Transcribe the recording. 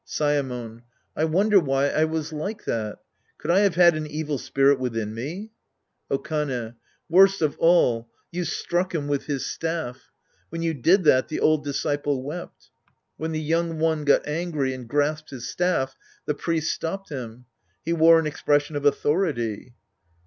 Saemon. I wonder why I was like that. Could I have had an evil spirit within me ? Okane. Worst of all, you struck him with his staff. When you did that, the old disciple wept. When the young one got angty and grasped his staff, the priest stopped him. He wore an expression of authority.